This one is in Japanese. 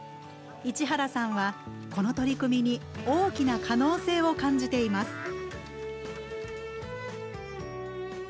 市原さんはこの取り組みに大きな可能性を感じています。